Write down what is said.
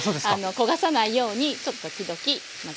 焦がさないようにちょっと時々混ぜて。